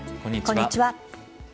こんにちは。